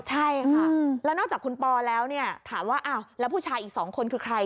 ใช่ค่ะแล้วนอกจากคุณปอแล้วเนี่ยถามว่าอ้าวแล้วผู้ชายอีก๒คนคือใคร